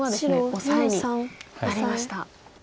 オサエになりました。